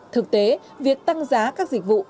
thực tế việc tăng giá các dịch vụ